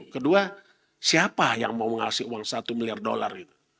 kedua siapa yang mau mengasih uang satu miliar dolar